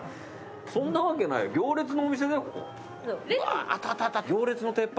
そんなわけない行列のお店だよ？